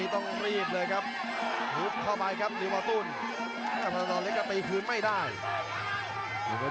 ซึ่งเจอกับผู้ปรับเก่าอย่างลิวเหมาตุ้นนักชกจับประเทศจีนครับ